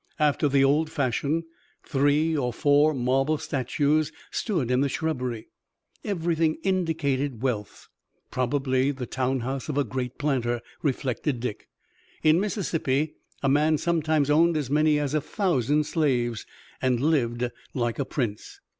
After the old fashion, three or four marble statues stood in the shrubbery. Everything indicated wealth. Probably the town house of a great planter, reflected Dick. In Mississippi a man sometimes owned as many as a thousand slaves, and lived like a prince.